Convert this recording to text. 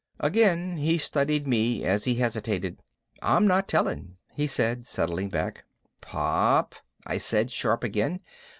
Again he studied me as he hesitated. "I'm not telling," he said, settling back. "Pop!" I said, sharp again.